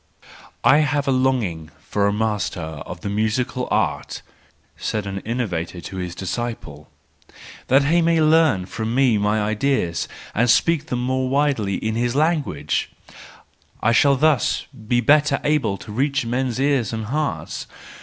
—"I have a longing for a master of the musical* art," said an innovator to his disciple, " that he may learn from me my ideas and speak them more widely in his language: I shall thus be better able to reach men's ears and hearts.